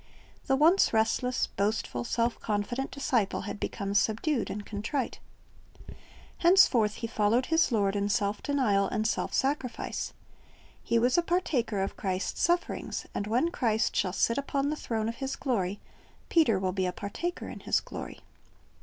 The once restless, boastful, self confident disciple had become subdued and contrite. Henceforth he followed his Lord in self denial and self sacrifice. He was a partaker of Christ's sufferings; and when Christ shall sit upon th.e throne of His glory, Peter will be a partaker in His glory.